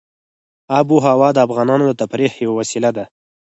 آب وهوا د افغانانو د تفریح یوه وسیله ده.